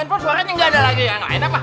makanya gak ada lagi yang lain apa